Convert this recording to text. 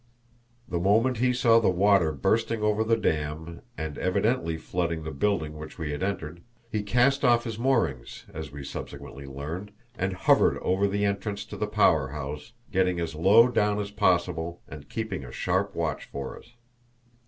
The moment he saw the water bursting over the dam, and evidently flooding the building which we had entered, he cast off his moorings, as we subsequently learned, and hovered over the entrance to the power house, getting as low down as possible and keeping a sharp watch for us.